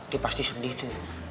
dia pasti sedih tuh